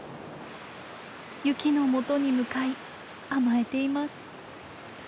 ユキの元に向かい甘えています。